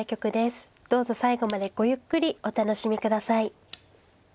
どうぞ最後までごゆっくりお楽しみ下さい。